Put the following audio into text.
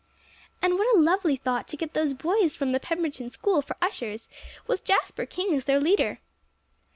"And what a lovely thought to get those boys from the Pemberton School for ushers, with Jasper King as their leader!"